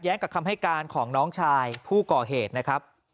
กับคำให้การของน้องชายผู้ก่อเหตุนะครับ